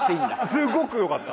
すごく良かった。